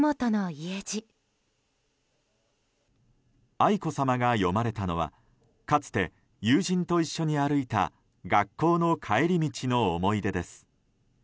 愛子さまが詠まれたのはかつて、友人と一緒に歩いた学校の帰り道の思い出です。